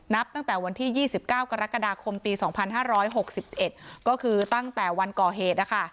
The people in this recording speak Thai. นับตั้งแต่วันที่๒๙กรกฎาคมปี๒๕๖๑ก็คือตั้งแต่วันก่อเหตุนะคะ